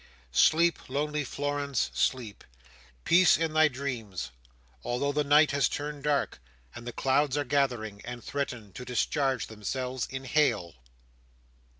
Sleep, lonely Florence, sleep! Peace in thy dreams, although the night has turned dark, and the clouds are gathering, and threaten to discharge themselves in hail!